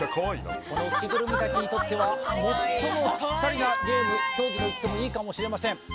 この着ぐるみたちにとってはもっともピッタリなゲーム競技といってもいいかもしれません